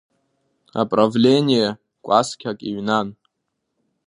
Аправление кәасқьак иҩнан.